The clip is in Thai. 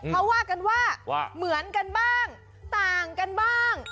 เขาว่ากันว่าเหมือนกันบ้างต่างกันบ้าง